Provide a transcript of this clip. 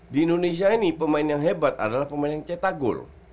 di indonesia ini pemain yang hebat adalah pemain yang cetak gol